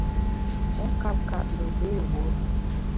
Wu nkap kap, mbé pé wuo ?